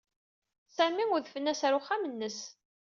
Sami udfen-as ɣer uxxam-nnes.